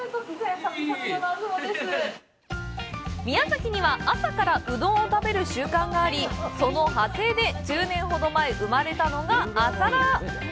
宮崎には、朝からうどんを食べる習慣があり、その派生で１０年ほど前生まれたのが朝ラー。